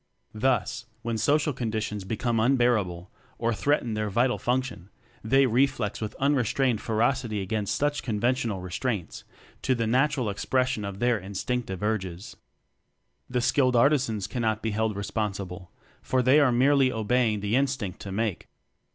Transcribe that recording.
Thus, when social conditions be come unbearable or threaten their vital function, they reflex with unrestrained ferocity against such conventional re straints to the natural expression of their instinctive urges. The Skilled Artisans cannot be held responsible, for they are merely obey ing the instinct "to make."